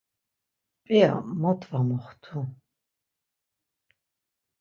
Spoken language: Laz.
P̆ia mot va moxtu?